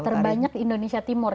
terbanyak di indonesia timur